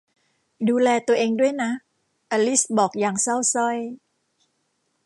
ดูแลตัวเองด้วยนะ อลิซบอกอย่างเศร้าสร้อย